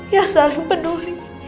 yang saling peduli